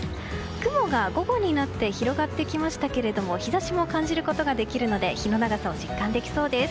雲が午後になって広がってきましたが日差しも感じることができるので日の長さを実感できそうです。